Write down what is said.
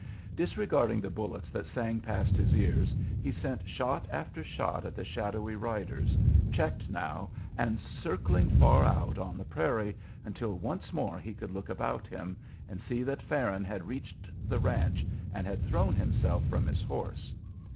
Disregarding the bullets that sang past his ears, he sent shot after shot at the shadowy riders, checked now, and circling far out on the prairie, until once more he could look about him, and see that Farron had reached the ranch, and had thrown himself from his horse.